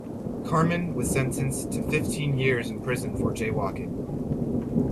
Carmen was sentenced to fifteen years in prison for jaywalking.